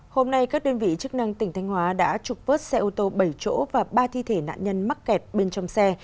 hôm nay các đơn vị chức năng tỉnh thanh hóa đã trục vớt xe ô tô bảy chỗ và ba thi thể nạn nhân mắc kẹt bên trong xe